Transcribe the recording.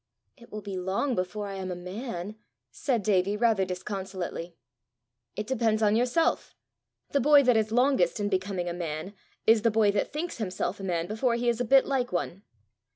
"It will be long before I am a man!" said Davie rather disconsolately. "It depends on yourself. The boy that is longest in becoming a man, is the boy that thinks himself a man before he is a bit like one."